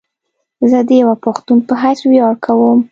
زه ديوه پښتون په حيث وياړ کوم